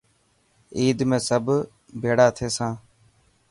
عيد ۾ سب بيڙا ٿيسان.